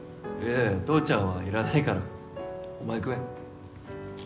父ちゃんはいらないからお前食え